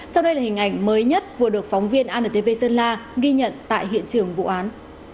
sau đây là hình ảnh mới nhất vừa được phóng viên antv sơn la ghi nhận tại hiện trường vụ án